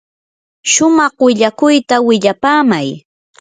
shumaq willakuyta willapaamay.